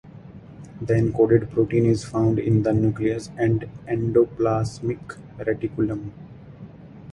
The encoded protein is found in the nucleus and endoplasmic reticulum.